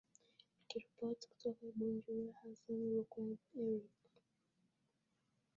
nikiripoti kutoka bujumbura hassan ruvakuki eric